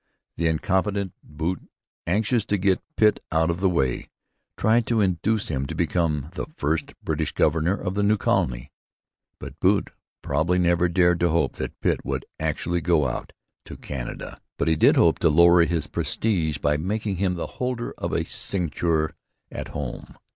The incompetent Bute, anxious to get Pitt out of the way, tried to induce him to become the first British governor of the new colony. Even Bute probably never dared to hope that Pitt would actually go out to Canada. But he did hope to lower his prestige by making him the holder of a sinecure at home.